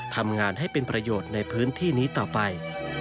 ทำงานให้เป็นประโยชน์ในพื้นที่นี้ต่อไป